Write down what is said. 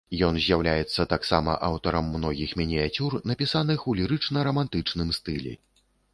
Ён з'яўляецца таксама аўтарам многіх мініяцюр, напісаных у лірычна-рамантычным стылі.